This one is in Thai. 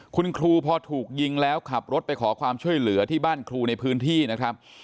คุณครูพอถูกยิงแล้วขับรถไปขอความช่วยเหลือที่บ้านครูในพื้นที่นะครับ